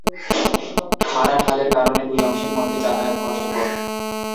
খাড়া ঢালের কারণে দুই অংশের মধ্যে যাতায়াত কষ্টকর।